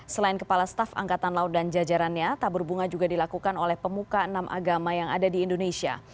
selain kepala staf angkatan laut dan jajarannya tabur bunga juga dilakukan oleh pemuka enam agama yang ada di indonesia